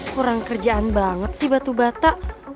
kurang kerjaan banget sih batu bata